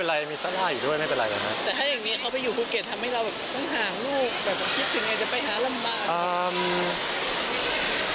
แต่ถ้าอย่างนี้เขาไปอยู่ภูเก็ตทำให้เราต้องห่างลูกคิดถึงจะไปหาลำบาก